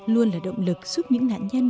luôn là động lực giúp những nạn nhân